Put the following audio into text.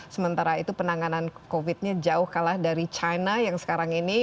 sementara itu penanganan covid nya jauh kalah dari china yang sekarang ini